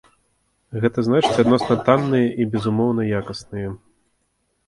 Гэта значыць адносна танныя і безумоўна якасныя.